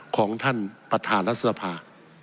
ของท่านประธานรัฐสภา